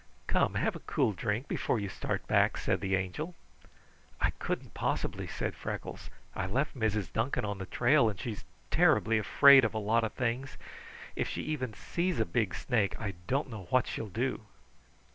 "Come, have a cool drink before you start back," said the Angel. "I couldn't possibly," said Freckles. "I left Mrs. Duncan on the trail, and she's terribly afraid of a lot of things. If she even sees a big snake, I don't know what she'll do."